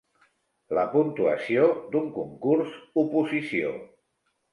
La puntuació d'un concurs oposició.